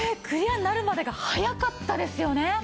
クリアになるまでが早かったですよね。